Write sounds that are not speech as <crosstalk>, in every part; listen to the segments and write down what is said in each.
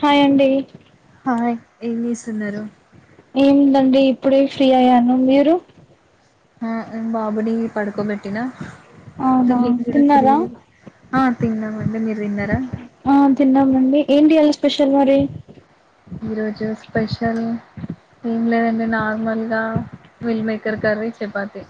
Hi అండి hi ఏం చేస్తున్నారు ఏముందండి ఇప్పుడే ఫ్రీ అయ్యాను మీరు ఆ బాబుని పడుకోబెట్టినా అవునా తిన్నారా ఆ తిన్నామండి మీర్ తిన్నర ఆ తిన్నామండి ఏంటియాలి స్పెషల్ మరి ఈ రోజు స్పెషల్ ఏం లేదండి నార్మల్ గా మిల్ మేకర్ కర్రీ, చపాతి.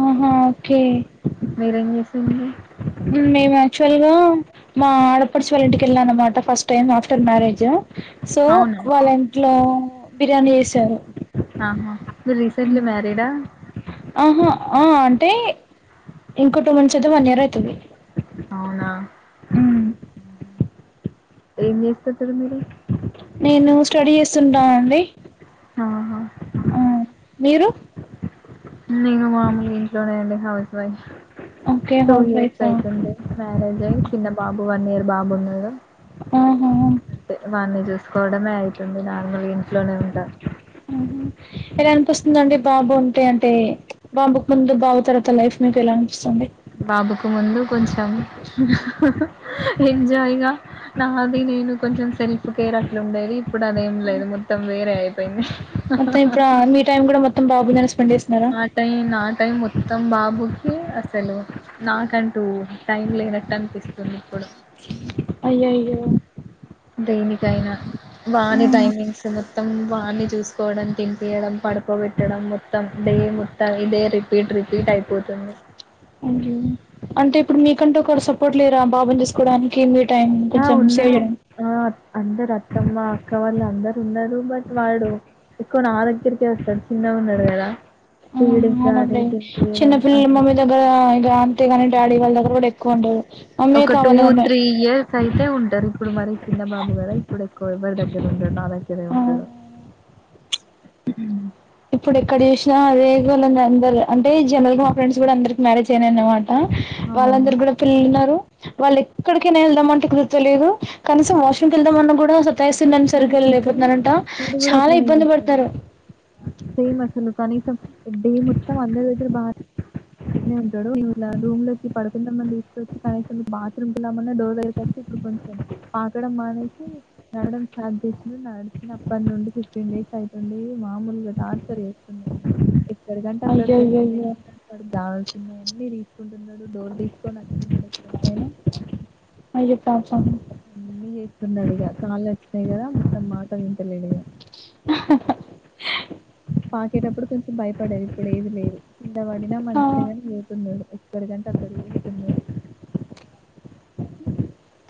ఆహా ఓకే మీరేం చేసిండ్రు మేము యాక్చువల్గా మా ఆడపడుచు వాళ్ళ ఇంటికి వెళ్ళా అన్నమాట first time after marriage so అవునా వాళ్ళ ఇంట్లో బిర్యానీ వేసారు ఆహా నువ్ రీసెంట్లీ మ్యారీడ ఆహా ఆ అంటే ఇంకో టూ మంత్స్ అయితే వన్ ఇయర్ ఐతుంది అవునా మ్మ్ హ్మ్ ఏన్ జేస్తుంటారు మీరు నేను స్టడీ చేస్తుంటా అండి ఆహ అ మీరు నేను మామూల్గా ఇంట్లోనే అండి house wife okay two house years వైఫా అయ్తుంది మ్యారేజ్ అయ్ చిన్న బాబు వన్ ఇయర్ బాబున్నాడు ఆహా అంతే వాణ్ణి చూసుకోవడమే అయ్ తుంది నాక్ మాముల్ ఇంట్లోనే ఉంటా ఊహూ. ఎలా అనిపిస్తుందండి బాబు ఉంటే అంటే ప్చ్ బాబుకు ముందు బాబు తర్వాత లైఫ్ మీకు ఎలా అన్ బాబుకు ముందు కొంచెం ఎంజాయ్గా నాది నేను కొంచెం సెల్ఫ్ కేర్ అట్లా ఉండేది ఇప్పుడు అదేం లేదు మొత్తం వేరే అయిపోయింది మొత్తం ఇప్పుడు ఆ మీ టైం కూడా మొత్తం బాబుమీదనే స్పెండ్ చేస్తున్నారా నా <unintelligible> సలు నాకంటూ టైం లేనట్టు అనిపిస్తుంది ఇప్పుడు అయ్యయ్యో దేనికైనా బానే హ్మ్. టైమింగ్స్ మొత్తం వాని చూసుకోవడం తినిపియడం పడుకోబెట్టడం మొత్తం డే మొత్తం ఇదే రిపీట్ రిపీట్ అయిపోతుంది అయ్యో అంటే ఇప్పుడు మీకంటే ఒకరు సపోర్ట్ లేరా బాబుని చుసుకోవడానికి మీర్ ఆ ఉన్నరు ఆ అందరు అత్తమ్మ అక్క వాళ్ల్ళ అందర్ ఉన్నారు బట్ వాడు ఎక్కువ నా దగ్గరికే వస్తాడు చిన్నగా ఉన్నడు కదా ఆ అవునండి చిన్న పిల్లలు అన్నీ. మమ్మీ దగ్గర <unintelligible> డాడీ వాళ్ళ దగ్గర కూడా ఎక్కువ ఉండరు మమ్మీయే ఒక కావాలి మమ్మే ఇయర్స్ అయితే ఉంటారు. ఇప్పుడు మరి చిన్నబాబు గద ఇప్పుడు ఎక్కువ ఎవరి దగ్గర ఉండడు నా దగ్ గ్గరే ఆ! ఉంటడు ఇప్పుడు ఎక్కడ చూసినా అదే గోల వుంది అందరు అంటే జనరల్ గా మా ఫ్రెండ్స్ కూడా అందరికి మ్యారేజ్ ఐనా అన్నమాట్ ట ఆ! వాళ్ళందరి కూడా పిల్లలున్నారు వాళ్ళు ఎక్కడికైనా ఎళ్దామంటే కుదుర్త లేదు కనీసం వాష్రూమ్ కి వెళ్దామన్నా కూడా అసల్ <unintelligible> సరిగ్గా నిజం లేపోతున్నారంట చాలా ఇబ్బందిపడతారు ఫేమస్సులు కని సం డే మొత్తం అందరి దగ్గర బా నే ఉంటాడు ఇలా రూమ్ లోకి పడుకుందామ్మని తీసుకొచ్చి కనీసం బాత్రూం కి వెళ్దాం అన్న డోర్ దగ్గరకి వచ్చి ఇప్పుడు కొంచెం పాకడం మానేసి నడవడం స్టార్ట్ చేసిండు. నడిచినప్పటి నుండి ఫిఫ్టీన్ డేస్ అవుతుంది. మామూలుగా టార్చర్ చేస్తుండు. ఇగ ఎక్కడకంటే అయ్యో అక్కడికి అయ్యో వెళ్త అయ్యో వెళ్తున్నాడు వాడు నచ్చినయాన్ని తీసుకుంటున్నాడు డోర్ తీసుకొని అస్తున్నడు ఎక్కడికైనా టార్చర్ అన్ని చేస్తున్నడు ఇగ కాళ్ళు వచ్చినాయి కదా మొత్తం మాట వింటలేడు ఇగ పాకేటప్పుడు కొంచెం భయపడేది ఇప్పుడు ఏది లేదు. కింద పడినా ఆ మంచిదే కానీ పోతున్నడు. ఎక్కడికంటే అక్కడికి పోతున్నడు.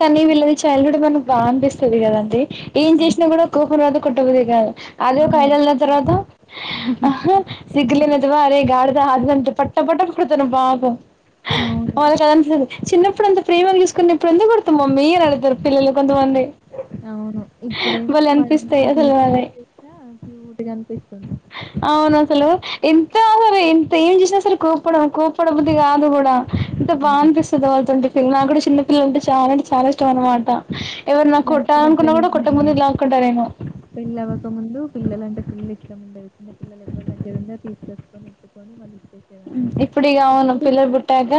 కనీ వీళ్లది చైల్డ్ హుడ్ మనం బాగా అనిపిస్తది కదండి ఏం చేసినా అవును. కూడా కోపం రాదు కొట్టాబుద్ధి కాదు అది ఆ! ఒక ఐదేల్ల తర్వాత ఆహా సిగ్గు లేని వెధవ అరేయ్ గాడిద కాదు అండి పట్ట పట్ట కొడతాను పాపం అవును. <unintelligible> చిన్నప్పుడు అంత ప్రేమగ చుసుకున్నవ్ ఇప్పుడు ఎందుకు కొడుతున్నావ్. న్నవ్ మమ్మీ అని అడుగుతారు పిల్లలు కొంతమంది అవును ఇప్పుడేమో భలే అనిపిస్తాయి ఇప్పుడు ఏం అసలు అవి పని చేసినా క్యూట్ గా అనిపిస్తది. అవును అసలు ఎంత అసలు ఎంత ఏం చేసినా సరే కోప్పడకు బుద్ది కాదు కూడా ఎంత బాగా అవును. అనిపిస్తదో వాళ్ళతోటి నాకు కూడా చిన్న పిల్లలంటే చ చాలా చాలా ఇష్టం అన్నమాట ఎవరన్న కొట్టలి అనుకున్నా కూడా కొట్టక ముందే లాక్కుంటారేమో పెళ్ల్లవ్వక ముందు పిల్లలాంటె ఫుల్ ఇష్టంముండేది చిన్న పిల్లలు ఎవరి దగ్గర ఉన్న తీసుకొచుకునేది. ని ఎత్తుకొని మళ్లీ ఇప్పుడు ఇగ అవును ఇప్పుడు పిల్లలు కూడా పుట్టాక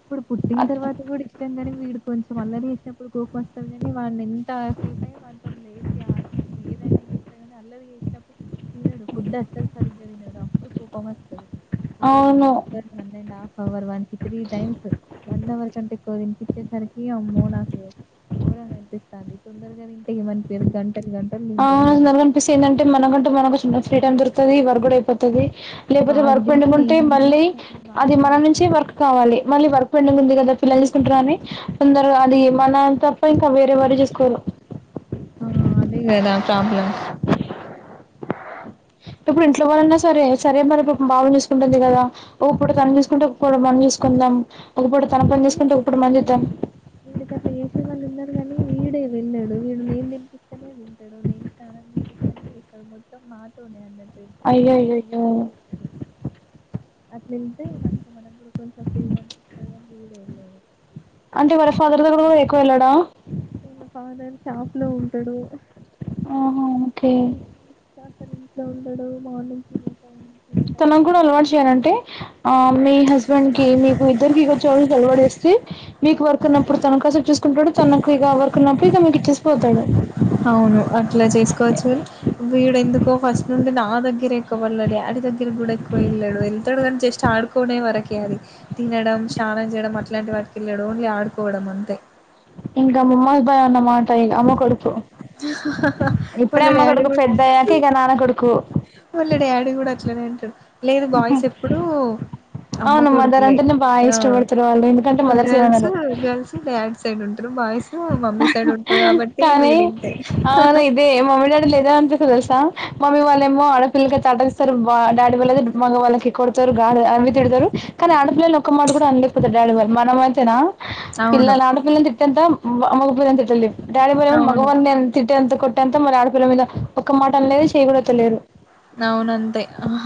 ఇప్పుడు పుట్టిన అట్లా తర్వాత కూడా ఇష్టం కాని వీడు కొంచెం అల్లరీ చేసినప్పుడు కోపం వస్తది కానీ వాన్నీ ఎంతసేపైనా వంతోని లే ఆడు ఏదైనా చేస్తా కానీ అల్లరి చేేసినప్పుడు తినాడు ఫుడ్ అస్సలు సరిగ్గా తినన్నాడు అప్పుడు కోపం వస్తుది ఒక వన్ అవును అర్ one and half hour one కి త్రీ టైమ్స్ వన్ అవర్ కంటే ఎక్కువ తినిపిచ్చేసరికి ఇ అమ్మో నాకు ఘోరంగా అనిపిస్థాంది తొందరగా తింటే ఏం అనిపియ్యది గంట ఆ అనిపిస్తే ఏంటంటే మనగంటే మనకుచ్చ ఫ్రీ టైమ్ దొరుకుతాది వర్క్గూకూడా అయిపోతది లేకపోతే వాడు వర్క్ తిని పెండింగ్ ఉంటే నేను తిని మళ్ళీ అది వాన్ని మనం నుంచి చూసుకో వర్క్ కావాలి మళ్ళీ వర్క్ పెండింగ్ తొందరగా అది మనం తప్ప వేరే వరి చూసుకోరు ఆ అదే కదా ప్రాబ్లం ఇప్పుడు ఇంట్లో వాళ్ళన్నా సరే సరే మరిప్పుడు బాబు చూసుకుంటుంది కదా ఒకపూట తను చూసుకుంటే ఒక పూట మనం చూసుకుందాం ఒక పూట ఆ తన పని వీటికి చేసుకుంటే ఒక అట్ల పూట మనం జేసే చేద్దాం వీడి అట్లా జేసే వాళ్ళున్నారు అందు కాని వీడే వెళ్ళాడు వీడు నేను తనిపిస్తనే తింటాడు నేను స్నానం చేపిస్తనే చేస్తాడు మొత్తం నాతోనే అన్నా ఎ అయ్యయ్యయ్యో ఇరు అట్లయితే మంచిగా మనం కూడా కొంచెం ఫ్రీగా అనిపి వీడు ఎల్లాడు అంటే వాళ్ళ ఫాదర్ దగ్గర కూడా ఎక్కువ వెళ్ళాడా వాళ్ల ఫాదర్ షాప్ లో ఉంటడు ఓకే రాత్రి ఇంట్లో ఉండడు మార్నింగ్ తినే టైమ్ తనకు కూడా అలవాటు చేయాలంటే ఆ మీ హస్బెండ్ కి మీకు ఇద్దరికిచ్చే వాళ్ళకి అలవాటు వేస్తే మీకు వర్క్ ఉన్నప్పుడు తను కాసేపు చూసుకుంటాడు తనకు ఇగ వరకున్నప్పుడు ఇక మీకీచ్చేసిపోతాడు అవును అట్లా చేసుకోవచ్చు కదా వీడెందుకో ఫస్ట్ నుండి నా దగ్గర ఎక్కువ వాళ్ళ డాడీ దగ్గర కి కూడా ఎకువ వెళ్ళాడు వెళ్తాడు క జస్ట్ ఆడుకోనే వరకే అది తినడం స్నానం చేయడం అట్లాంటి వారికి వెళ్ళడం ఓన్లీ ఆడుకోవడం అంతే ఇంక మమ్మస్ బాయ్ అన్నమాట అమ్మ కొడుకు ఇప్పుడే వాళ్ళ అమ్మ డాడీ కొడుకు కూడా పెద్ద అయ్యాక ఇగ నాన్న కొడుకు వాళ్ళ డాడీ కూడా అట్లనే అంటడు లేదు బాయ్స్ ఎప్పుడు అమ్మ అవును మదర్ కొడుకులే అంటే నే బాగా ఆ ఇష్టపడతారు వాళ్ళు ఎందుకంటే మదర్స్ గర్ల్స్ ఏమనరు గర్ల్స్ డాడ్ సైడ్ ఉంటారు బాయ్స్ మమ్మీ సైడ్ ఉంట హి కానీ అవున ఇదే మమ్మీ డాడీ లు ఇదే అనిపిస్తది మమ్మీ వాళ్ళేమో ఆడపిల్లకి అడ్డగిస్తారు బ డాడీ వాళ్ళు అయితే మగ వాళ్ళకి కొడతారు గా అవి తిడతారు కానీ ఆడపిల్లని ఒక్క మాట కూడా అలేకపోతారు డాడీ వాళ్ళు మనమ అయితేనా అవును పిల్లలు ఆడపిల్లల్ని తిడితే కొంత <unintelligible> పెళ్లి డాడీ మరి అవును మగవాన్ని తిట్టే అంత కొట్టేంత మరి ఆడపిల్ల మీద ఒక మాట అనలేది చేయకూడత లేరు అవున అంతే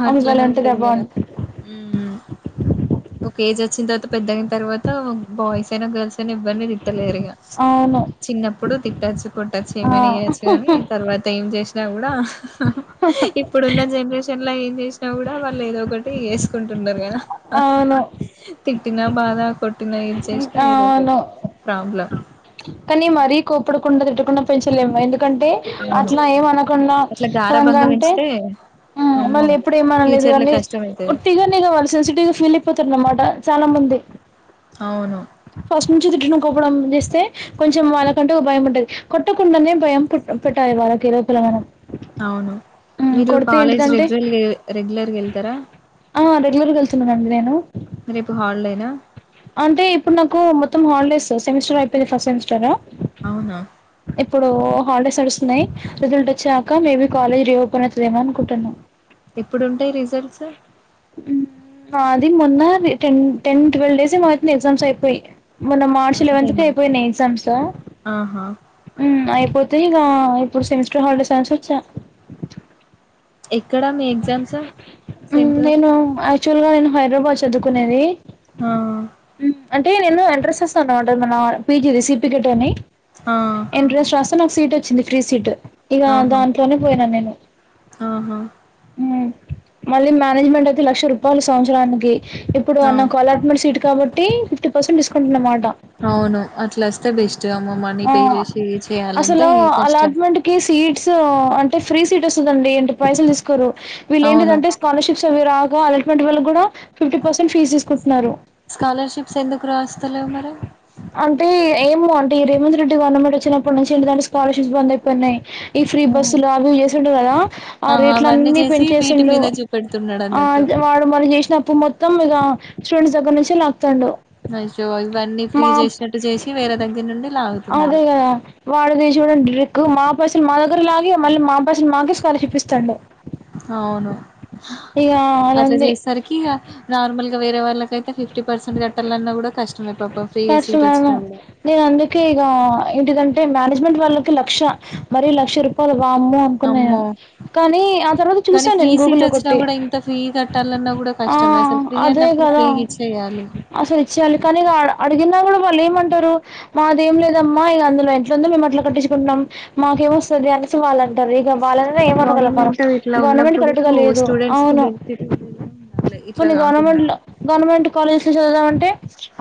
అట్లనే ఆ ఉంటది కదా బాండ్ హు ఒక ఏజ్ వచ్చిన తర్వాత పెద్దదయిన తరువాత బయ్స్ అయినా గర్ల్స్ అయినా ఇద్దరిని తిడుతారు తిట్టలేరుగా అవును చిన్నప్పుడు తిట్టచ్చు కొట్టచ్చు ఆ ఏమైనా చేయచ్చు కానీ తర్వాత ఏం చేస కూడా హా హా హాహా ఈ ఇప్పుడున్న జనరేషన్ ట్యూషన్ ఏం చేసినా కూడా వాళ్ళు ఏదో ఒకటి వేసుకుంటున్నారు కదా హాహా అవును కొట్టిిన బాధ కొట్టిన ఈ తెల్సిన ఏదోకటి ఒక ప్రాబ్లమ్ కని మరి కోపడ్ కుండా పెట్టకున్న పెంచలేం <unintelligible> కంటే అవును అట్లా ఏమన్నకుండ అట్లా క్లాం గా గారాబంగా ఉంటే పెంచితే ఉహ్ అమ్మో మళ్ళీ ఇప్పుడు మనం ఫ్యూచర్ లో <unintelligible> కష్టం అయితది వత్తిగానే ఇగా వాళ్ళు సెన్సిటివ్ గా ఫీల్ అయిపోతారు అన్మాట చాలా మంది అవును ఫస్ట్ నుంచి తిట్టినం కోపడం చేస్తే కొంచెం వాళ్ళకంటూ ఒక భయం ఉంటాది. కొట్టకుండానే భయం పెట్టాల్ పెట్టాలి వాళ్ళకి లోపల మనం అవును మీరు కొడితే కాలేజ్ ఏంటిదంటే రెగ్యులర్ రెగ్యులర్గా వెళ్తారా ఆ రెగ్యులర్గా వెళ్తున్నానండి నేను నా అంటే ఇప్పుడు నాకు మొత్తం హాలిడేస్సు సెమిస్టర్ అయిపోయిది ఫస్ట్ సెమిస్టర్ అవునా ఇప్పుడు హాలిడేస్ అడుస్తున్నాయ్ క may be college reopen అయితది ఏమో అనుకుటాన్నా ఎప్పుడుంటాయి రిజల్ట్స్ ఉ అది మొన్న టెన్ టెన్ ట్వెల్వ్ డేస్ ఏమో అవుతుంది ఎగ్జామ్స్ అయిపోయి మొన్న మార్చ లెవెంత్ కి అంతేనా అయిపోయినాయి ఎగ్జామ్స్ ఆహా ఉమ్ అయిపోతే ఇగా ఇప్పుడు సెమిస్ స్టర్ హాలిడేస్ అనేసోచ్చా ఎక్కడా మీ ఎగ్జామ్స్ మ్మ్ సెంటర్ నేను యాక్చువల్ గా నేను హైదరాబాద్ చదువుకునేది ఆ మ్మ్ అంటే నేను ఎంట్రన్స్ రాస అనమాట మన పీజీది సి పి జడ్ అని ఆ ఏంట్రాన్స్ రాస్తే నాక్ సీట్ వచ్చింది ఫ్రీ సీటు ఇక ఆహా దాంట్లోనే పోయినా నేను ఆహా ఉమ్ మళ్ళీ మేనేజ్మెంట్ అయితే లక్ష రూపాయలు సంవత్సరానికి ఇప్పుడు ఆ నాకు అల్లాట్మెంట్ సీటు కాబట్టి ఫిఫ్టీ పర్సెంట్ డిస్కౌంట్ అనమాట అవును అట్లా వస్తే బెస్ట్ అమ్మ మనీ ఉ పే చేసి చేయాలంటే అసలు కష్టం అల్లాట్మెంట్ కి సెట్స్ ఉ టె ఫ్రీ సీట్ వస్తుందండి ఎం <unintelligible> కొరు వీళ్ళ అవును ఏంటిదంటే స్కాలర్షిప్స్ అవి రా గా అలెట్మెంట్ వాళ్ళగ్గూడా ఫిఫ్టీ పర్సెంట్ ఫీజు తీసుకుంటున్నారు త్తలేవు మరి ఏమొ అంటే రేవంత్ రెడ్డి గవర్నమెంట్ వచ్చినప్పనుంచి ఏంటి దంటే స్కాలర్షిప్ బంద్ అయి పొన్నాయ్ ఈ ఫ్రీ ఓహో! బస్సులు అవి చేసిండు కదా ఆ ఆహా రేట్లు అవన్నీ అన్ని చేసి వీటి పెంచేసిండు మీద చూపెడుతున్నాడు ఆ అన్నట్టు వాడు మన చేసినప్పు మొత్తం ఇక స్టూడెంట్స్ దగ్గర నుంచి లాక్తాండు యో ఇవన్నీ ఫ్రీ మా జేసినట్టు చేసి వేరే దగ్గర నుండి అదే లాగుతున్నాడు కదా వాడిది చూడండి ట్రిక్ మా పైసలు మా దగ్గర లాగే మళ్ళ మా పైసలు మాకే కాలషిప్ ఇస్తాండు అవును ఇక అలా అట్లా ఉంది చేసేసరికి ఇగ నార్మల్ వేరే వాళ్ళకైతే ఫిఫ్టీ పర్సంట్ కట్టల్ల అన్నా గూడా కష్టమేను నేను అందుకే ఇగా ఏంటిద టే మ్యానేజ్మెంట్ వాళ్ లక్ష మరి లక్ష రూపాయలు వామ్మో అనుకున్నా నే అమ్మో కానీ ఆ తర్వాత కానీ చూసాను ఫ్రీ నేను సీట్ గూగుల్లో వచ్చినా కొట్టి కూడా ఇంత ఫ్రీ కట్టాలన్నా కూడా ఆ కష్టమే అసలు ఫ్రీ అదే అన్నప్పుడు కదా ఫ్రీగా ఇచ్చేయాలి అసలు కానీ ఇక అడిగిన కూడా వాళ్ళు ఏమంటారు మాది ఏం లేదమ్మా ఇక అందులో ఎంట్ందో మేము అట్లా కట్టించుకుంటున్నాం మాకేమ వస్తుంది అనేసి వాళ్ళ ఇక వాళ్ళ ఏంనగల మనం గవర్నమెంట్ ఇట్లా గవర్నమెంట్ ఉన్నప్పుడు కరెక్ట్గా లేదు స్టూడెంట్స్ కి అవును బెనిఫిట్ ఉండేలా ఉండాలి ఇట్లా కొన్ని కాకుండా గవర్నమెంట్ లో గవర్నమెంట్ కాలేజె లో చదుదామంటే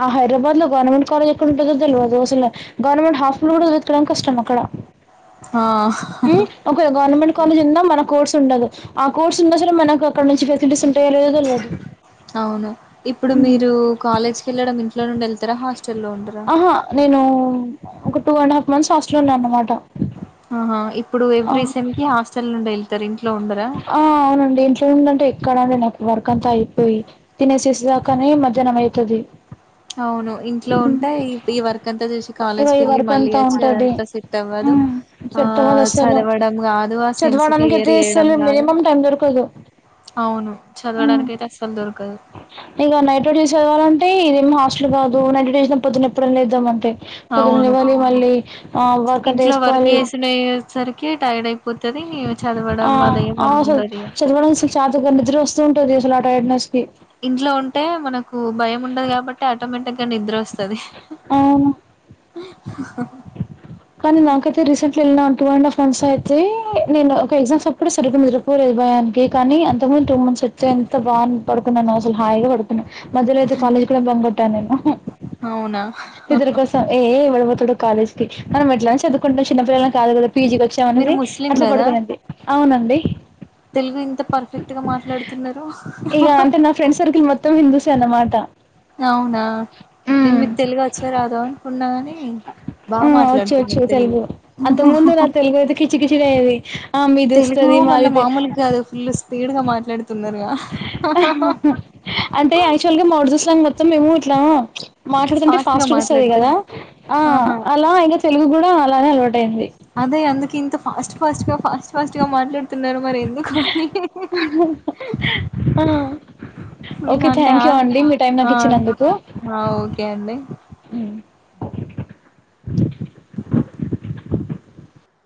ఆ హైదరాబాద్ లో గవర్నమెంట్ కాలేజ్ ఎక్కడ ఉంటదో దెల్వదు అసలు గవర్నమెంట్ హాస్టలు కూడా వెతకడం కష్టం అక్కడ హ్మ్ ఒక గవర్నమెంట్ కాలేజ్ ఉందా మన కోర్స్ ఉండదు ఆ కోర్స్ ఉన్న అసలు మనకు అక్కడ నుంచి ఫెసిలిటీస్ ఉంటాయ లేదు అవును ఇప్పుడు మీరు కాలేజ్కి వెళ్ళడం ఇంట్ లోండి వెళ్తా ఆహా నేను ఒక టూ అండ్ హా్ంత్స్ సన్నా అన్నమాటం ఆహా ఇప్పుడు ఎవ్రీ సెమ్ కి హాస్టల్ బిల్ ఇద్దరి ఇంట్లో ఉండరా చూందంటే ఎక్కడండడి నాకు వర్క్ అంతా అయిపోయి తినేసేసే దాకానే మధ్యాహ్నం అవుతుది అవును ఇంట్లో ఉంటే ఈ వర్క్ అంతా చేసి ఇగ కాలేజ్కి ఈ వెళ్ళి వర్క్ మళ్ళీ అంతా వచ్చి ఉంటది అదంతా సేట్ అవ్వదు మ్మ్ ఆ సెట్ అవ్వదు అస్సలు చదవడం కాదు ఆ సెమ్స్ చదవడానికి క్లియర్ అయితే యడం అస్సలు రాదు మినిమం టైం దొరకదు అవును మ్మ్ చదవడానికి అయితే అసలు దొరుక్ ఇగ నైట్ నుంచి చదవాలా అంటే ఇదేం హస్టల్ కాదు నైట్ డేషన్ పొద్దున ఎప్పుడొ లేద్దామంటే పొద్దున అవును లేవాలి మళ్ళీ ఆ వర్క్ అంతా ఇంట్లో వర్క్ చేసుకోవాలి చేసిండే సరికి టైర్డ్ అయిపోతది ఆ చదవడం అదేం ఆ ఉండది ఇగ అసలా టైర్డ్నెస్ కి ఇంట్లో ఉంటే మనకు భయం ఉండదు కాబట్టి ఆటోమేటిక్ గా నిద్ర వస్తది హ కానీ నాకైతే రిసెంట్లి ఎళ్లిన టూ అండ్ హాఫ్ మంత్స్ అయితే నేను ఒక ఎక్సమ్ అప్పుడు సర్రిగా నిద్రపోలేదు భయానికి కానీ అంతకుముందు టూ మంత్స్ వచ్చే ఎంత బాగా పడుకున్నానో అసలు హాయిగా పడుకున్నాను మధ్యలో అయితే కాలేజ్ కూడా బంకొట్ట నేనూ అవునా ఇద్దరి కోసం కాలేజ్ ఫీ మనం ఎట్లనో చదుకుంటాం చిన్న పిల్లలం కాదు కదా పీజీకి మీరు వచ్చామనేది ముస్లిం అట్లా కదా పడుకునేది అవునండి తెలుగు ఇంత పర్ఫెక్ట్ గా మాట్లాడుతున్నారు ఇక అంటే నా ఫ్రెండ్ సర్కిల్ మొత్తం హిందూసే అన్నమాట అవునా నేను హ్మ్. మీకు తెలుగు వచ్చో రాదో అనుకున్నా కాని బాగా ఆ వచ్చ మాట్లాడుతున్నారు వచ్చు తెలుగు అంత ముందు నా తెలుగు అయితే కిచి కిచిడి అయ్యేది ఆ మీది తెలుగు వస్తది మళ్ళా మాదిది మామూలుగా కాదు ఫుల్ స్పీడ్ గా మాట్లాడుతున్నారుగా అంటే యాక్చువల్గా మా ఉర్దూ స్లాగ్ మొత్త త్త మేము ఇట్లా మాట్లాడుతుంటే గా ఫాస్ట్ కొస్తది కదా మాట్లాడతారా అ ఆహా అలా ఇక తెలుగు కూడా అలానే అలవాటు అదే అందుకింత ఫాస్ట్ ఫస్ట్గా ఫాస్ట్ ఫస్ట్గా మాట్లాడుత తున్నారు మరి ఎందుకు అని ఆ ఇళ ఓకే అంటే థ్యాంక్ యూ అండి మీ టైం నాకు ఇచ్చినందుకు ఆ ఓకే అండి మ్మ్